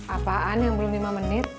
apaan yang belum lima menit